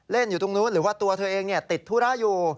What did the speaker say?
อยู่ตรงนู้นหรือว่าตัวเธอเองติดธุระอยู่